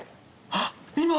あっ！